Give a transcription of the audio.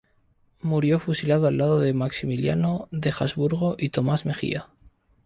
Murió fusilado al lado de Maximiliano de Habsburgo y Tomás Mejía.